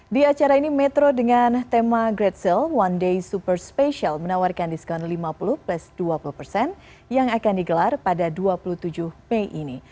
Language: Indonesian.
di acara ini metro dengan tema great sale one day super special menawarkan diskon lima puluh plus dua puluh persen yang akan digelar pada dua puluh tujuh mei ini